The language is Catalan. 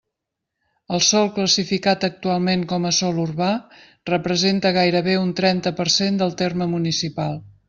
El sòl classificat actualment com a sòl urbà representa gairebé un trenta per cent del terme municipal.